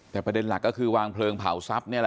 แต่ประเด็นหลักก็คือวางเพลิงเผาทรัพย์